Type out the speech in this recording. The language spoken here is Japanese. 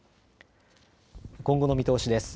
今後の見通しです。